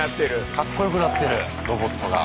かっこよくなってるロボットが。